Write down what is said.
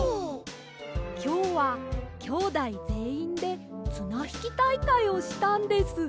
きょうはきょうだいぜんいんでつなひきたいかいをしたんです。